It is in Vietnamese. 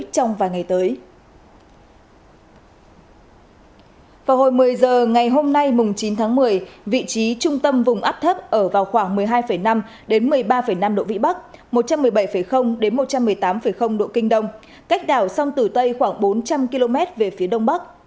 trung tâm vùng áp thấp ở vào khoảng một mươi hai năm một mươi ba năm độ vĩ bắc một trăm một mươi bảy một trăm một mươi tám độ kinh đông cách đảo sông tử tây khoảng bốn trăm linh km về phía đông bắc